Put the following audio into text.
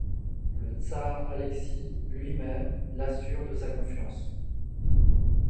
Le tsar Alexis, lui-même, l'assure de sa confiance.